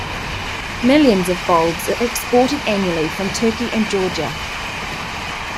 Millions of bulbs are exported annually from Turkey and Georgia.